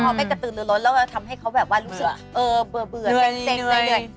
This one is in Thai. พอไปกระตือลื้อล้นแล้วก็ทำให้เขาแบบว่ารู้สึกเบื่อเต้นในเหนื่อย